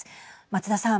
松田さん。